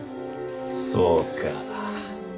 そうか。